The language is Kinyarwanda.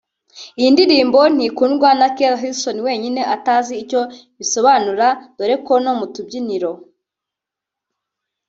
Iyi ndirimbo ntikundwa na Keri Hilson wenyine atazi icyo isobanura dore ko no mu tubyiniro